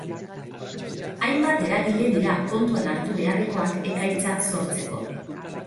Hainbat eragile dira kontuan hartu beharrekoak ekaitza sortzeko.